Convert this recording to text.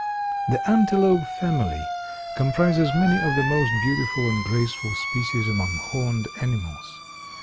_) The antelope family comprises many of the most beautiful and graceful species among horned animals.